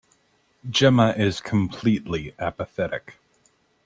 Jemma is completely apathetic.